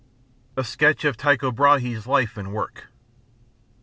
_A sketch of Tycho Brahé's life and work.